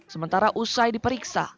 sementara usai diperiksa